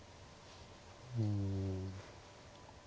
うん。